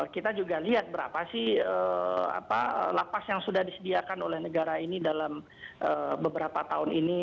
kita juga lihat berapa sih lapas yang sudah disediakan oleh negara ini dalam beberapa tahun ini